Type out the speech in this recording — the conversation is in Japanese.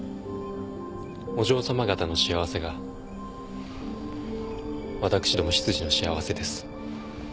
お嬢さま方の幸せが私ども執事の幸せです。